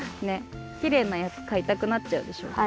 ねっきれいなやつかいたくなっちゃうでしょ。